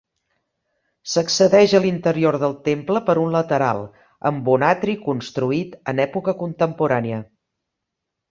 S'accedeix a l'interior del temple per un lateral, amb un atri construït en època contemporània.